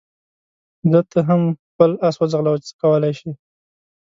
ځه ته هم خپل اس وځغلوه چې څه کولای شې.